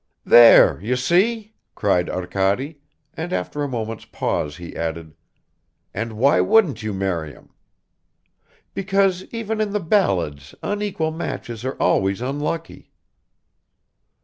"There, you see!" cried Arkady, and after a moment's pause he added, "And why wouldn't you marry him?" "Because even in the ballads unequal matches are always unlucky."